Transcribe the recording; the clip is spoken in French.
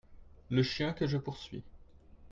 Le chien que je poursuis.